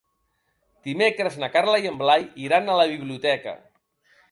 Dimecres na Carla i en Blai iran a la biblioteca.